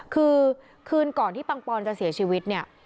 คือคืนก่อนที่ปังปอนจะเสียชีวิตเนี่ย